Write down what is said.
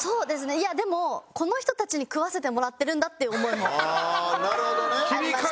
いやでもこの人たちに食わせてもらってるんだっていう思いもありました。